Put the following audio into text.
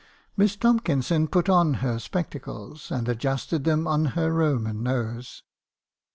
"Miss Tomkinson put on her spectacles , and adjusted them on her Roman nose.